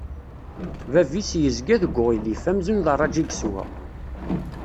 Bab-is yezga deg uɣilif, amzun d rraǧ i yeswa.